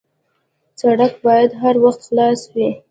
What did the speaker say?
سړک باید هر وخت خلاص وي.